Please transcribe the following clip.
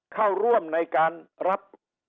เข้าร่วมในการรับ